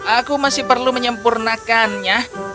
aku masih perlu menyempurnakannya